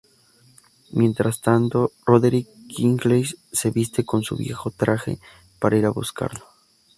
Mientras tanto, Roderick Kingsley se viste con su viejo traje para ir a buscarlo.